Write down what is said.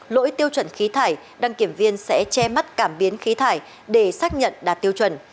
lỗi tiêu chuẩn khí thải đăng kiểm viên sẽ che mắt cảm biến khí thải để xác nhận đạt tiêu chuẩn